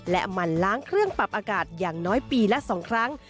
และมันล้างเครื่องปรับอากาศอย่างน้อยปีละ๒ครั้ง